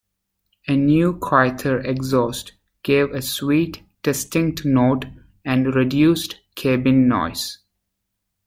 A new quieter exhaust gave a sweet distinct note and reduced cabin noise.